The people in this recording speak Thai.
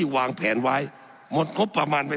สับขาหลอกกันไปสับขาหลอกกันไป